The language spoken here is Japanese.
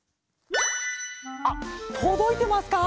あっとどいてますか？